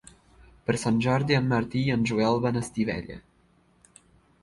Per Sant Jordi en Martí i en Joel van a Estivella.